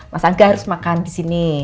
mas angga harus makan disini